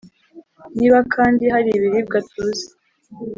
niba kandi hari ibiribwa tuzi